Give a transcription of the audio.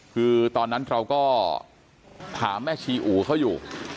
คือตอนนั้นเราก็ถามแม่ชีอู๋เขาอยู่